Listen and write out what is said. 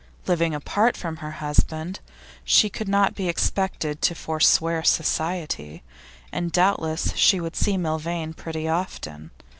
Living apart from her husband, she could not be expected to forswear society, and doubtless she would see Milvain pretty often.